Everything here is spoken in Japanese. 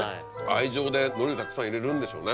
愛情で海苔をたくさん入れるんでしょうね。